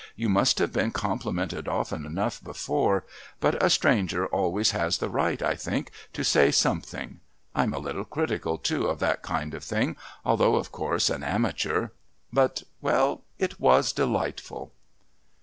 You must have been complimented often enough before, but a stranger always has the right, I think, to say something. I'm a little critical, too, of that kind of thing, although, of course, an amateur...but well, it was delightful."